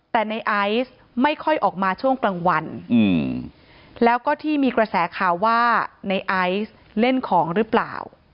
แต่ในไอซ์ไม่ค่อยออกมาช่วงกลางวันแล้วก็ที่มีกระแสข่าวว่าในไอซ์เล่นของหรือเปล่า